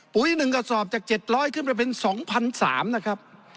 อีก๑กระสอบจาก๗๐๐ขึ้นไปเป็น๒๓๐๐นะครับ